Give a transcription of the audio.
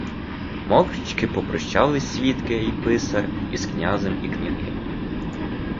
Мовчки попрощалися свідки й писар із князем і княгинею.